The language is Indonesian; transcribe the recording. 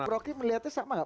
rocky melihatnya sama enggak